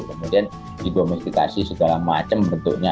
kemudian didomestitasi segala macam bentuknya